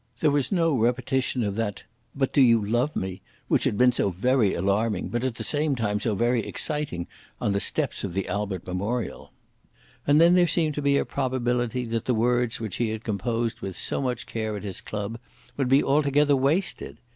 There was no repetition of that "But you do love me?" which had been so very alarming but at the same time so very exciting on the steps of the Albert Memorial. And then there seemed to be a probability that the words which he had composed with so much care at his club would be altogether wasted.